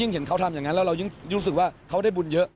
เห็นเขาทำอย่างนั้นแล้วเรายิ่งรู้สึกว่าเขาได้บุญเยอะ